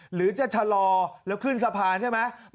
หรือจะชะลอแล้วขึ้นสะพานใช่ไหม